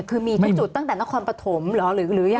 คือมีทุกจุดตั้งแต่นครปฐมเหรอหรือยัง